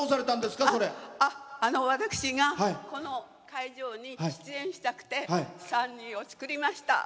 私がこの会場に出演したくて３人のを作りました。